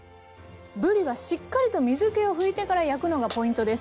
ぶりはしっかりと水けを拭いてから焼くのがポイントです。